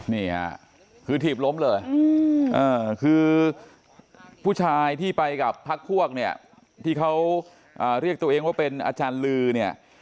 นี่ค่ะคือถีบล้มเลยคือผู้ชายที่ไปกับพักพวกเนี่ยที่เขาเรียกตัวเองว่าเป็นอาจารย์ลือเนี่ย